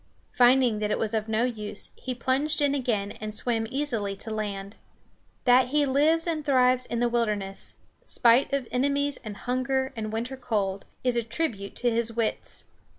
Finding that it was of no use, he plunged in again and swam easily to land. That he lives and thrives in the wilderness, spite of enemies and hunger and winter cold, is a tribute to his wits.